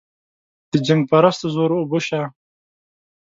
د جنګ پرستو زور اوبه شه.